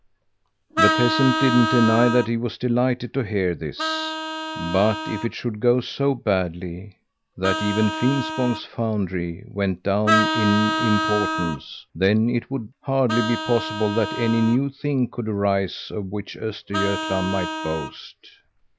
"The peasant didn't deny that he was delighted to hear this. 'But if it should go so badly that even Finspång's foundry went down in importance, then it would hardly be possible that any new thing could arise of which Östergötland might boast.'